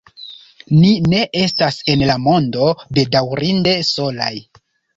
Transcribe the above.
Ni ne estas en la mondo bedaŭrinde solaj!